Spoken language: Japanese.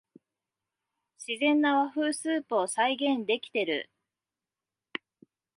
自然な和風スープを再現できてる